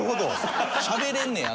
しゃべれんねや！